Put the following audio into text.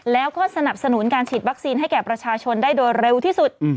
แล้วก็สนับสนุนการฉีดวัคซีนให้แก่ประชาชนได้โดยเร็วที่สุด